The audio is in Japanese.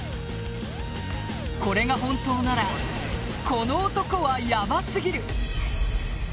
これが本当ならこの男はやばすぎる！